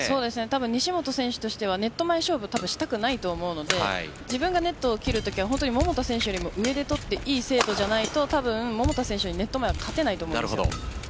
西本選手としてはネット前勝負をしたくないと思うので自分がネットを切るときは桃田選手よりも上で通って良い精度じゃないと桃田選手はネット前、勝てないと思うんですよ。